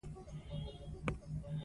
افغانستان د مېوې کوربه دی.